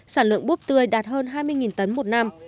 sản lượng búp tươi đạt hơn hai mươi tấn một năm